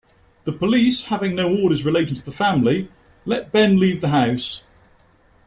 The police, having no orders relating to the family, let Ben leave the house.